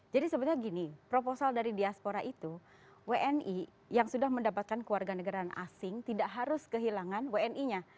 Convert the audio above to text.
jadi sebenarnya gini proposal dari diaspora itu wni yang sudah mendapatkan kewarganegaraan asing tidak harus kehilangan wni nya